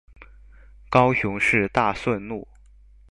高雄市大順路